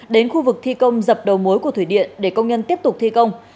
đến khu vực thi công dập đầu mối của thủy điện để công nhân tiếp tục thi công